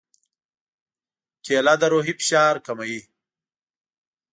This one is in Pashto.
کېله د روحي فشار کموي.